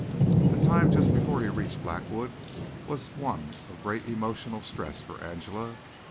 The time just before he reached Blackwood was one of great emotional stress for Angela.